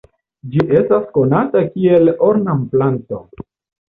Ĝi estas konata kiel ornamplanto.